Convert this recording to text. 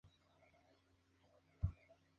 Interpretación, Presentación y Criticón.